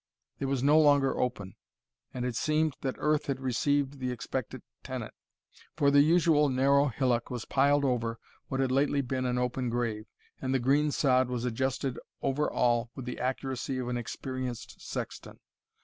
It was no longer open, and it seemed that earth had received the expected tenant; for the usual narrow hillock was piled over what had lately been an open grave, and the green sod was adjusted over all with the accuracy of an experienced sexton.